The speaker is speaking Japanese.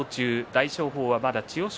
大翔鵬はまだ千代翔